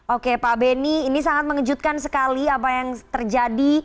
oke pak beni ini sangat mengejutkan sekali apa yang terjadi